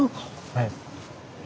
はい。